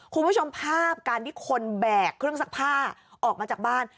คุณผู้ชมภาพการที่คนแบกเครื่องซักผ้าออกมาจากบ้าน